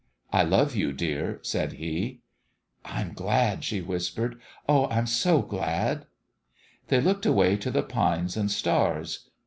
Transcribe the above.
"I love you, dear," said he. "I'm glad," she whispered. "Oh, I'm so glad !" They looked away to the pines and stars.